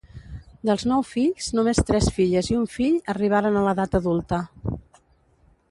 Dels nou fills, només tres filles i un fill arribaren a l'edat adulta.